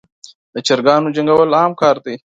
دچراګانو جنګول عام کار دی.